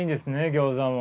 ギョーザも。